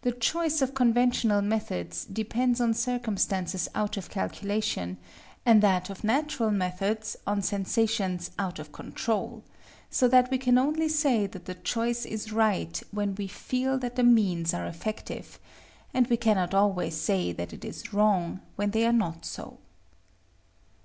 The choice of conventional methods depends on circumstances out of calculation, and that of natural methods on sensations out of control; so that we can only say that the choice is right, when we feel that the means are effective; and we cannot always say that it is wrong when they are not so.